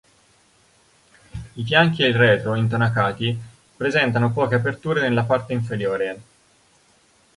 I fianchi e il retro, intonacati, presentano poche aperture nella parte inferiore.